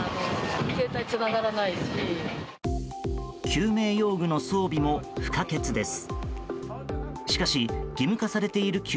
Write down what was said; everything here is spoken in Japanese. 救命用具の装備も不可欠です。